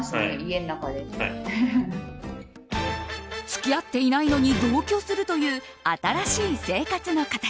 付き合っていないのに同居するという新しい生活の形。